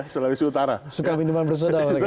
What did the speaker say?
sulawesi utara suka minuman bersoda